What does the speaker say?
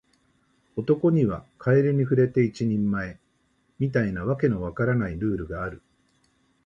男にはカエルに触れて一人前、みたいな訳の分からないルールがある